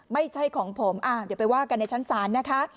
ไม่ใช่ของผมเดี๋ยวไปว่ากันในชั้นศาลนะคะ